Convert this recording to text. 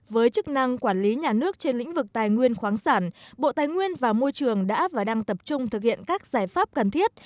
với chức năng quản lý nhà nước trên lĩnh vực tài nguyên khoáng sản bộ tài nguyên và môi trường đã và đang tập trung thực hiện các giải pháp cần thiết